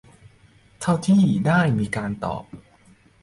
เท่าที่ได้มีการตอบ